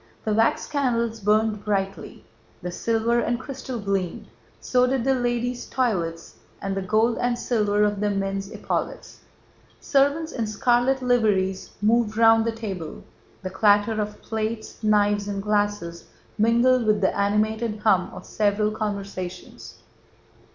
The wax candles burned brightly, the silver and crystal gleamed, so did the ladies' toilets and the gold and silver of the men's epaulets; servants in scarlet liveries moved round the table, the clatter of plates, knives, and glasses mingled with the animated hum of several conversations.